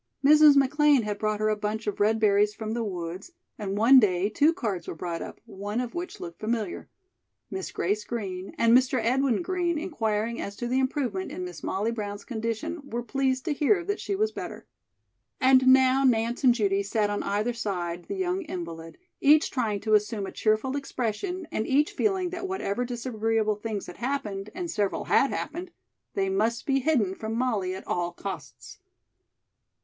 Mrs. McLean had brought her a bunch of red berries from the woods, and one day two cards were brought up, one of which looked familiar: Miss Grace Green and Mr. Edwin Green, inquiring as to the improvement in Miss Molly Brown's condition, were pleased to hear that she was better. And now Nance and Judy sat on either side the young invalid, each trying to assume a cheerful expression and each feeling that whatever disagreeable things had happened and several had happened they must be hidden from Molly at all costs.